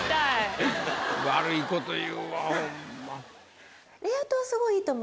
悪いこと言うわホンマ。